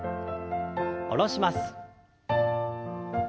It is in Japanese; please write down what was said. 下ろします。